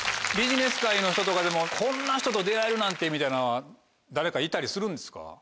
ビジネス界の人とかでもこんな人と出会えるなんてみたいな誰かいたりするんですか？